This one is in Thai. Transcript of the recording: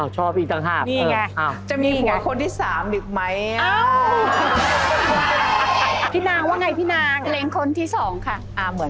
ชอบดูดวง